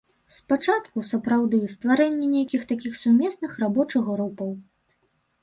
Спачатку, сапраўды, стварэнне нейкіх такіх сумесных рабочых групаў.